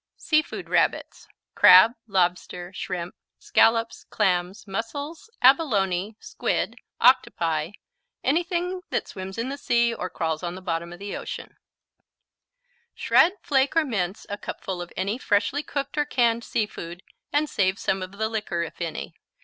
Sea food Rabbits _(crab, lobster, shrimp, scallops, clams, mussels, abalone, squid, octopi; anything that swims in the sea or crawls on the bottom of the ocean)_ Shred, flake or mince a cupful of any freshly cooked or canned sea food and save some of the liquor, if any.